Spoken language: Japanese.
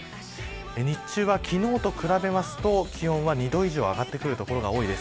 日中は昨日に比べると気温は２度以上上がってくる所が多いです。